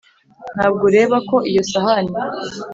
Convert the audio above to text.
Nta bwo ureba ko iyo sahani,